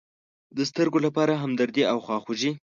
د سترگو لپاره همدردي او خواخوږي.